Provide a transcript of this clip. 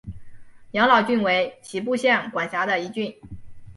养老郡为岐阜县管辖的一郡。